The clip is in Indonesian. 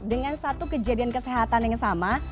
dengan satu kejadian kesehatan yang sama